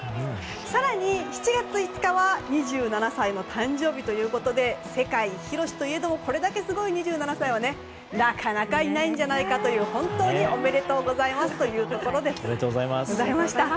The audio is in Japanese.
更に７月５日は２７歳の誕生日ということで世界広しといえどこれだけすごい２７歳はなかなかいないんじゃないかという本当におめでとうございますというところでございました。